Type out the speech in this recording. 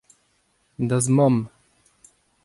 da'z mamm.